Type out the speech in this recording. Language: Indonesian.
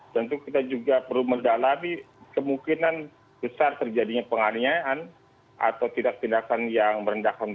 tentu kita juga perlu mendalami kemungkinan besar terjadinya penganiayaan atau tindak tindakan yang merendahkan mereka